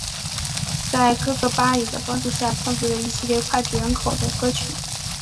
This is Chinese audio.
在哥哥巴里的帮助下创作了一系列脍炙人口的歌曲。